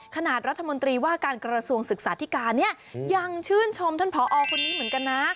รัฐมนตรีว่าการกระทรวงศึกษาธิการเนี่ยยังชื่นชมท่านผอคนนี้เหมือนกันนะ